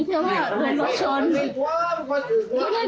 ช่วยกันตามมันดีด้วยนะครับ